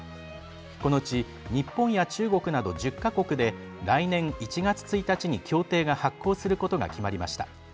このうち日本や中国など１０か国で来年１月１日に協定が発効することが決まりました。